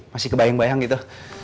masih kebayang bayang gitu